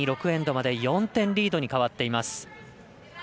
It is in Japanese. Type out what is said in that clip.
６エンドまで４点リードに変わっています。